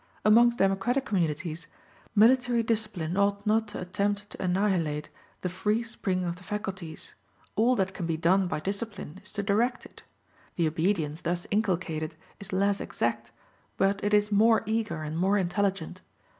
Amongst democratic communities, military discipline ought not to attempt to annihilate the free spring of the faculties; all that can be done by discipline is to direct it; the obedience thus inculcated is less exact, but it is more eager and more intelligent.